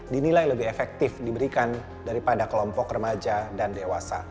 dinilai lebih efektif diberikan daripada kelompok remaja dan dewasa